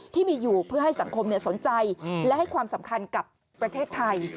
ที่มีอยู่เพื่อให้สังคมสนใจและให้ความสำคัญกับประเทศไทย